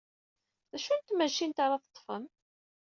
D acu n tmacint ara teḍḍfem?